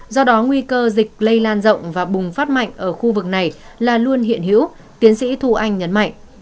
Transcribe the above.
do đó nguy cơ dịch lây lan rộng và bùng phát mạnh ở khu vực này là luôn hiện hữu tiến sĩ thu anh nhấn mạnh